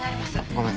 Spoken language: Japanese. ごめん。